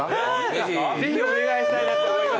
ぜひお願いしたいなと思いまして。